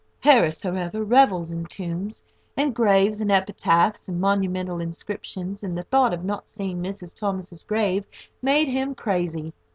Harris, however, revels in tombs, and graves, and epitaphs, and monumental inscriptions, and the thought of not seeing Mrs. Thomas's grave made him crazy.